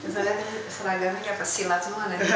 saya lihat suradar ini kepesilat semua